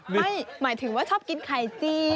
ไม่หมายถึงว่าชอบกินไข่เจียว